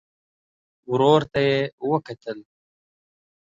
ورور ته يې وکتل.